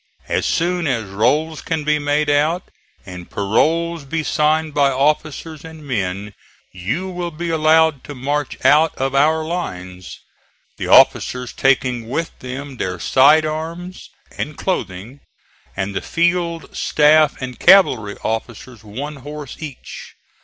As soon as rolls can be made out, and paroles be signed by officers and men, you will be allowed to march out of our lines, the officers taking with them their side arms and clothing, and the field, staff and cavalry officers one horse each.